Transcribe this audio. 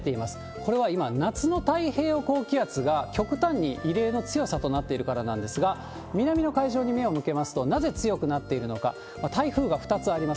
これは今、夏の太平洋高気圧が極端に異例の強さとなっているからなんですが、南の海上に目を向けますと、なぜ強くなっているのか、台風が２つあります。